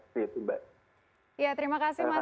terima kasih mas